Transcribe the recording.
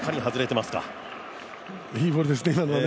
いいボールですね